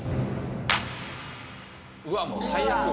うわっもう最悪。